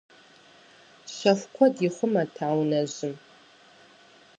Щэху куэд ихъумэт а унэжьым.